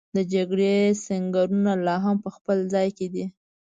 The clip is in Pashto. د جګړې سنګرونه لا هم په خپل ځای دي.